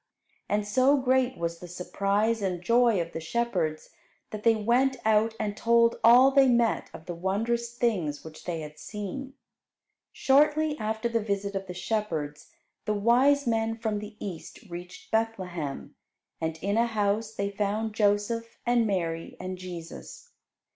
And so great was the surprise and joy of the shepherds that they went out and told all they met of the wondrous things which they had seen. Shortly after the visit of the shepherds, the wise men from the East reached Bethlehem, and in a house they found Joseph, and Mary, and Jesus.